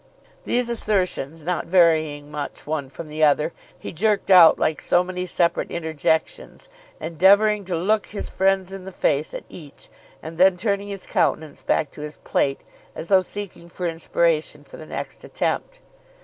These assertions, not varying much one from the other, he jerked out like so many separate interjections, endeavouring to look his friends in the face at each, and then turning his countenance back to his plate as though seeking for inspiration for the next attempt.